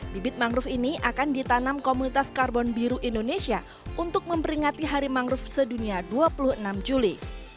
bibit mangrove ini akan ditanam komunitas karbon biru indonesia untuk memperingati hari mangrove sedunia dua puluh enam juli